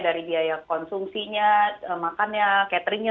dari biaya konsumsinya makannya cateringnya